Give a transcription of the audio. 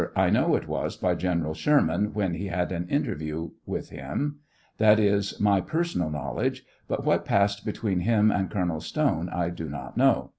I know it was by General Sherman when he had an interview with him ; that is my personal know ledge, but what passed between him and Colonel Stone I do not know.